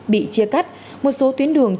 bị chia cắt một số tuyến đường